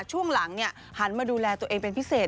ช่วงหลังหันมาดูแลตัวเองเป็นพิเศษ